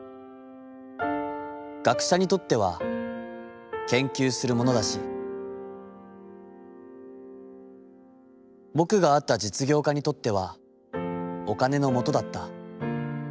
学者にとっては、研究するものだし、ぼくが会った実業家にとってはお金のもとだった。